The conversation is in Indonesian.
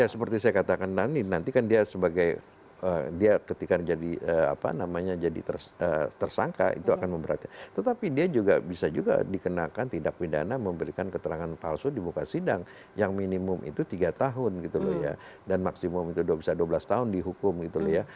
ya seperti saya katakan nanti kan dia sebagai dia ketika jadi apa namanya jadi tersangka itu akan memberatkan tetapi dia juga bisa juga dikenakan tidak pidana memberikan keterangan palsu di buka sidang yang minimum itu tiga tahun gitu loh ya dan maksimum itu bisa dua belas tahun dihukum gitu loh ya